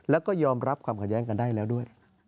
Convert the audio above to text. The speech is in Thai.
แล้วก็ยอมรับความขัดแย้งกันได้แล้วด้วย